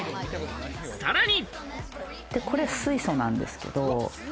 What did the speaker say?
さらに。